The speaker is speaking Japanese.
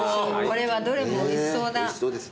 これはどれもおいしそうだ。